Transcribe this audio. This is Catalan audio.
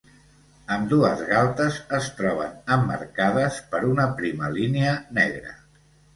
Ambdues galtes es troben emmarcades per una prima línia negra.